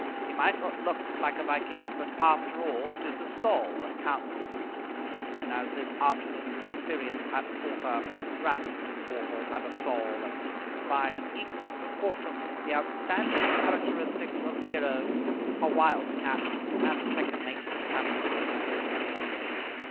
He might not look like a Viking, but after all it is the soul that counts and, as this afternoon's experience had taught her, Ramsden Waters had a soul that seemed to combine in equal proportions the outstanding characteristics of Nero, a wildcat, and the second mate of a tramp steamer.